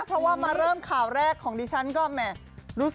เพราะว่ามาเริ่มข่าวแรกของดิฉันก็แหม่รู้สึก